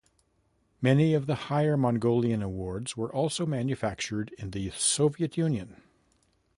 Many of the higher Mongolian awards were also manufactured in the Soviet Union.